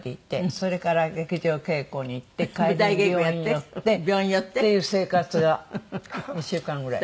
それから劇場稽古に行って帰りに病院寄って。っていう生活が２週間ぐらい。